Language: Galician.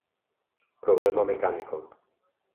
Problema mecánico.